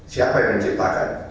siapa yang menciptakan